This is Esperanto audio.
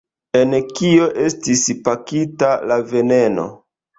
En kio estis pakita la veneno?